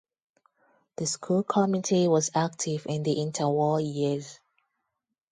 The school committee was active in the interwar years.